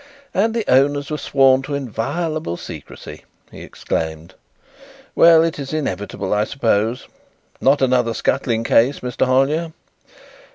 "And the owners were sworn to inviolable secrecy!" he exclaimed. "Well, it is inevitable, I suppose. Not another scuttling case, Mr. Hollyer?"